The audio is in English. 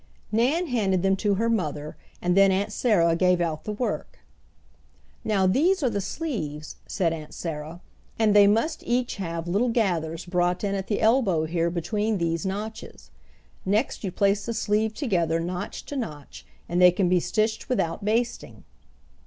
Nan handed them to her mother, and then Aunt Sarah gave out the work. "Now these are the sleeves," said Aunt Sarah, "and they must each have little gathers brought in at the elbow here between these notches. Next you place the sleeve together notch to notch, and they can be stitched without basting."